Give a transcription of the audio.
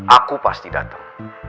aku pasti dateng